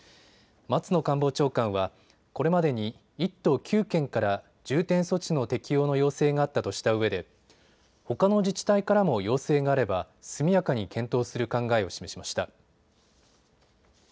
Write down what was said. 松野官房長官はこれまでに１都９県から重点措置の適用の要請があったとしたうえでほかの自治体からも要請があれば速やかに検討する考えを示しました。